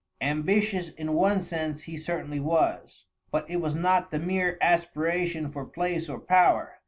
Ambitious in one sense he certainly was, but it was not the mere aspiration for place or power.